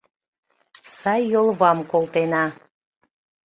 Сай йолвам колтена.